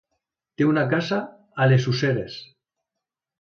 Té una casa a les Useres.